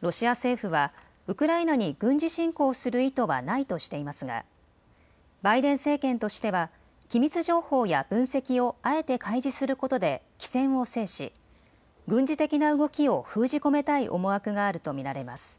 ロシア政府はウクライナに軍事侵攻する意図はないとしていますが、バイデン政権としては、機密情報や分析をあえて開示することで機先を制し、軍事的な動きを封じ込めたい思惑があると見られます。